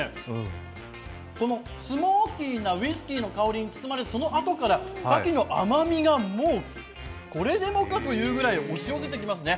スモーキーなウイスキーの香りに包まれてそのあとから牡蠣の甘みがこれでもかというぐらい押し寄せてきますね。